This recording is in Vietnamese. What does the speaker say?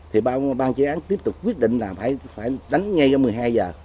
thì bang chỉ án tiếp tục quyết định là phải đánh ngay đến một mươi hai h